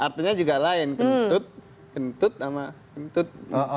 artinya juga lain kentut kentut sama kentut